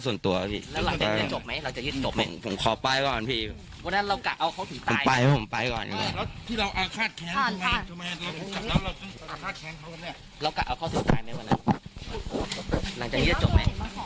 ทำไมทำไมเรากะเอาเขาถึงตายไหมวันนั้นหลังจากนี้จะจบไหม